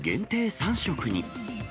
３食に。